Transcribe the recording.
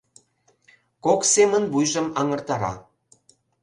Кок семын вуйжым аҥыртара.